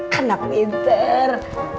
kan aku inter